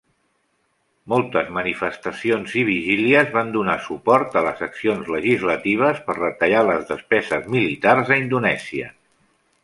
Moltes manifestacions i vigílies van donar suport a les accions legislatives per retallar les despeses militars a Indonèsia.